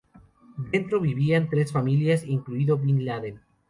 Dentro vivían tres familias, incluido Bin Laden.